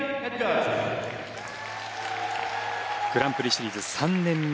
グランプリシリーズ３年目。